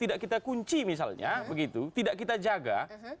tidak kita kunci misalnya begitu tidak kita jaga